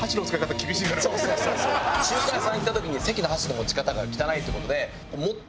中華屋さん行った時に関の箸の持ち方が汚いって事で持って。